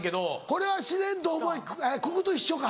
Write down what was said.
これは自然と覚える九九と一緒か。